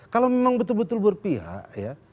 kalau memang betul betul berpihak ya